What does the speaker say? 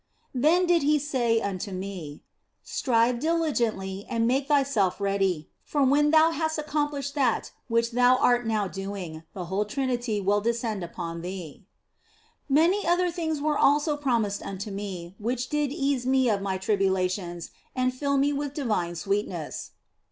Then did He say unto me, " Strive diligently and make thyself ready, for when thou hast accomplished that which thou art now doing, the whole Trinity will de scend unto thee." Many other things were also promised unto me, which did ease me of my tribulation and fill me with divine sweetness.